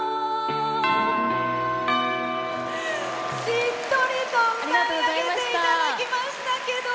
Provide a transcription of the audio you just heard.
しっとりと歌い上げていただきましたけど。